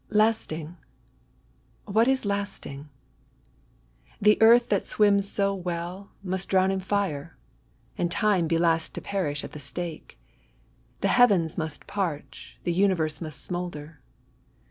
<* Lasting ! what's larting ? The Mrtfa tliat swims so wiaQ, most drown In fire, And Time be last to pwlsh at the stake. The heavens must patch ; the universe most smoulder.